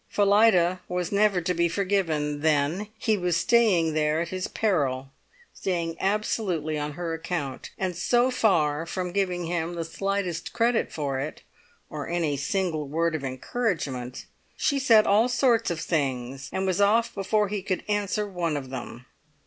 Phillida was never to be forgiven, then; he was staying there at his peril, staying absolutely on her account, and so far from giving him the slightest credit for it, or a single word of encouragement, she said all sorts of things and was off before he could answer one of them.